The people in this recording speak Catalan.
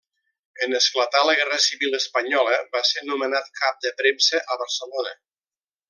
En esclatar la Guerra Civil espanyola va ser nomenat cap de premsa a Barcelona.